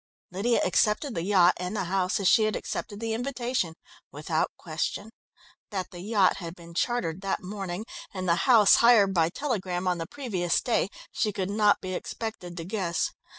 Lydia accepted the yacht and the house as she had accepted the invitation without question. That the yacht had been chartered that morning and the house hired by telegram on the previous day, she could not be expected to guess.